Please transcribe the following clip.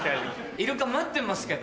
イルカ待ってますけど。